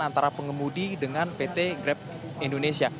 antara pengemudi dengan pt grab indonesia